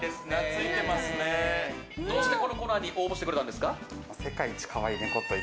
どうして、このコーナーに応募してくれたんですか？